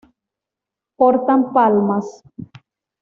Portan palmas.